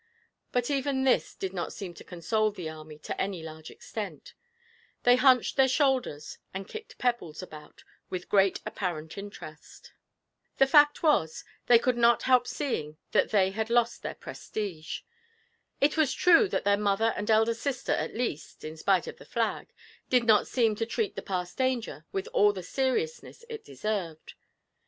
But even this did not seem to console the army to any large extent; they hunched their shoulders and kicked pebbles about with great apparent interest. The fact was, they could not help seeing that they had lost their prestige. It was true that their mother and elder sister at least (in spite of the flag) did not seem to treat the past danger with all the seriousness it deserved.